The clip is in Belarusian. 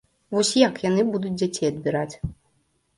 Вось як яны будуць дзяцей адбіраць?